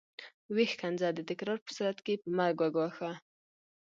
ويې ښکنځه د تکرار په صورت کې يې په مرګ وګواښه.